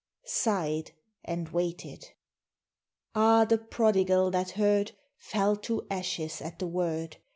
sighed and waited. 'Ah, the Prodigal that heard Fell to ashes at the word!